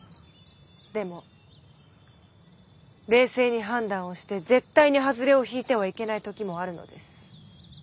でも冷静に判断をして絶対にハズレを引いてはいけない時もあるのです。